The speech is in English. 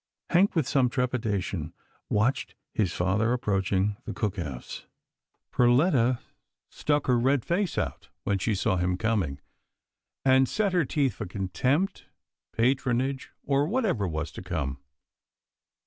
Hank, with some trepidation, watched his father approaching the cook house. Perletta stuck her red face out, when she saw him coming, and set her teeth for contempt, patron age, or whatever was to come.